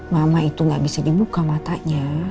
mama itu gak bisa dibuka matanya